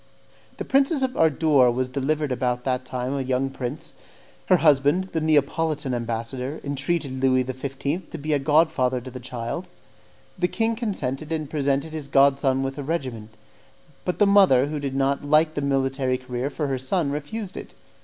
The Princess of Ardore was delivered about that time of a young prince. Her husband, the Neapolitan ambassador, entreated Louis XV. to be god father to the child; the king consented and presented his god son with a regiment; but the mother, who did not like the military career for her son, refused it.